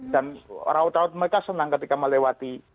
dan raut raut mereka senang ketika melewati